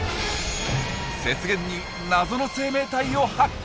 雪原に謎の生命体を発見！